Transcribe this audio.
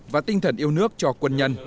và tinh thần yêu nước cho quân nhân